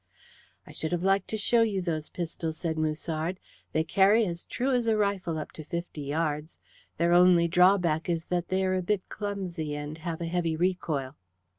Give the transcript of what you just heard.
"I should have liked to show you those pistols," said Musard. "They carry as true as a rifle up to fifty yards. Their only drawback is that they are a bit clumsy, and have a heavy recoil."